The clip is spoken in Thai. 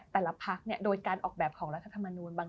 แต่ละพักโดยการออกแบบของรัฐธรรมนูล